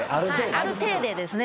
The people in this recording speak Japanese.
ある体でですね。